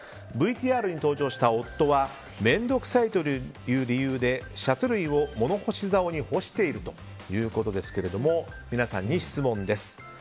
ＶＴＲに登場した夫は面倒くさいという理由でシャツ類を物干しざおに干しているということですが皆さんに質問です。